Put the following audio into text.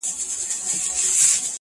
• په زړه سخت ظالمه یاره سلامي ولاړه ومه,